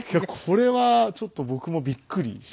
これはちょっと僕もびっくりしています。